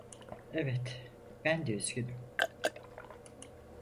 Evet, ben de üzgünüm.